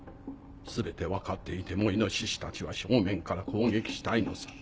全て分かっていても猪たちは正面から攻撃したいのさ。